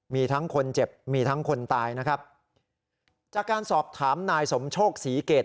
มีทั้งคนเจ็บมีทั้งคนตายนะครับจากการสอบถามนายสมโชคศรีเกต